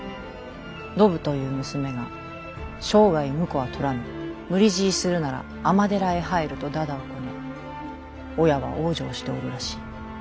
信という娘が生涯婿は取らぬ無理強いするなら尼寺へ入るとだだをこね親は往生しておるらしい。